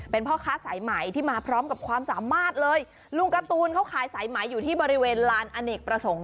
เป็นพ่อค้าสายใหม่ที่มาพร้อมกับความสามารถเลยลุงการ์ตูนเขาขายสายไหมอยู่ที่บริเวณลานอเนกประสงค์